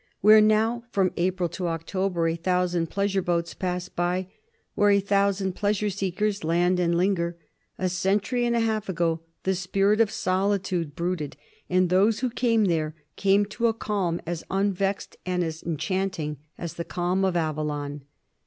Where now from April to October a thousand pleasure boats pass by, where a thousand pleasure seekers land and linger, a century and a half ago the spirit of solitude brooded, and those who came there came to a calm as unvexed and as enchanting as the calm of Avallon.